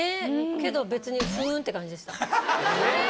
けど別に「ふん」って感じでした。